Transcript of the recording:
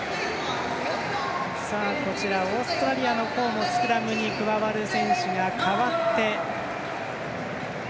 オーストラリアの方もスクラムに加わる選手が代わって。